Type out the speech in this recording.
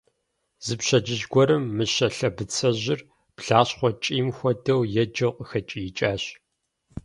Зы пщэдджыжь гуэрым Мыщэ лъэбыцэжьыр, блащхъуэ кӀийм хуэдэу еджэу къыхэкӀиикӀащ.